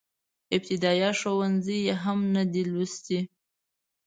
ابتدائيه ښوونځی يې هم نه دی لوستی.